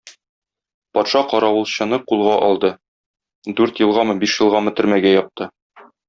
Патша каравылчыны кулга алды, дүрт елгамы, биш елгамы төрмәгә япты.